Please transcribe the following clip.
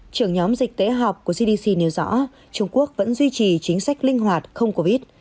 trưởng nhóm dịch tễ họp của cdc nêu rõ trung quốc vẫn duy trì chính sách linh hoạt không covid